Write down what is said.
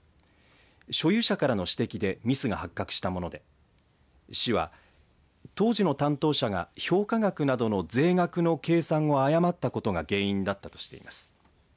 所有者からの指摘でミスが発覚したもので市は、当時の担当者が評価額などの税額の計算を誤ったことが原因だったとしています。